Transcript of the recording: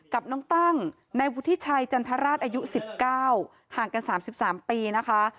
กับน้องตั้งในวุฒิชัยจันทราชอายุสิบเก้าห่างกันสามสิบสามปีนะคะ